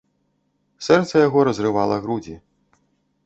Сэрца яго разрывала грудзі.